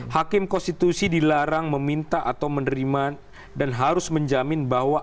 hakim konstitusi dilarang meminta atau menerima dan harus menjamin bahwa